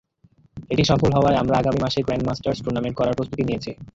এটি সফল হওয়ায় আমরা আগামী মাসে গ্র্যান্ডমাস্টার্স টুর্নামেন্ট করার প্রস্তুতি নিয়েছি।